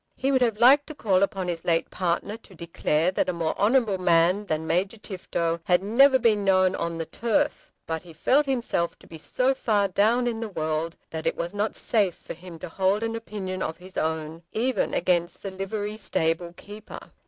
He would have liked to call upon his late partner to declare that a more honourable man than Major Tifto had never been known on the turf. But he felt himself to be so far down in the world that it was not safe for him to hold an opinion of his own, even against the livery stable keeper!